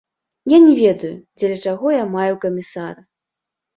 Я не ведаю, дзеля чаго я маю камісара.